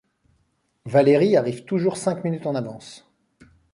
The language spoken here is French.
Valérie arrive toujours cinq minutes en avance.